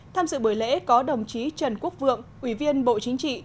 tham dự buổi lễ có đồng chí trần quốc vượng ủy viên bộ chính trị